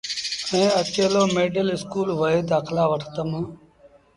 ائيٚݩ اڪيلو ميڊل اسڪول وهي دآکلآ وٺتم۔